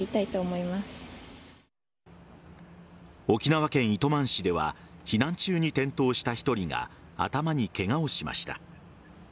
沖縄県糸満市では避難中に転倒した１人が頭にケガをしました。